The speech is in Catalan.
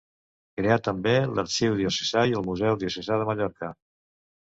Creà també l'arxiu diocesà i el museu Diocesà de Mallorca.